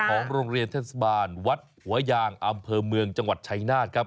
ของโรงเรียนเทศบาลวัดหัวยางอำเภอเมืองจังหวัดชัยนาธครับ